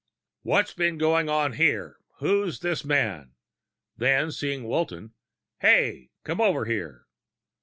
"What's been going on here? Who's this man?" Then, seeing Walton, "Hey! Come over here!"